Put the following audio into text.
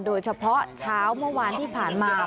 โดยเฉพาะเช้าเมื่อวานที่ผ่านมา